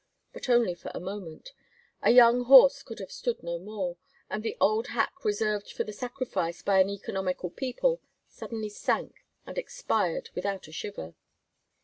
But only for a moment. A young horse could have stood no more, and the old hack reserved for the sacrifice by an economical people suddenly sank and expired without a shiver.